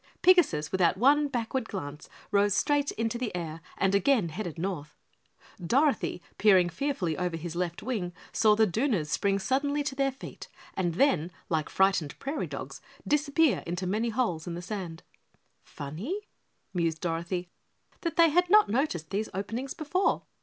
Pigasus, without one backward glance, rose straight into the air and again headed north. Dorothy, peering fearfully over his left wing, saw the Dooners spring suddenly to their feet and then, like frightened prairie dogs, disappear into many holes in the sand. Funny, mused Dorothy, that they had not noticed these openings before.